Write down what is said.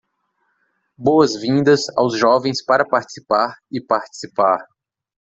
Boas vindas aos jovens para participar e participar